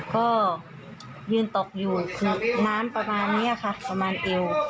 ก็ยืนตกอยู่น้ำประมาณนี้ค่ะประมาณเอว